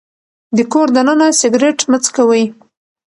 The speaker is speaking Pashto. د کور دننه سګرټ مه څکوئ.